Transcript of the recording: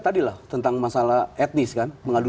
tadilah tentang masalah etnis kan mengadu